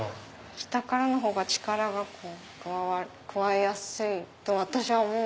下からのほうが力が加えやすいと私は思う。